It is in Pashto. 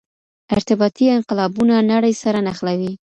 ارتباطي انقلابونه نړۍ سره نښلوي.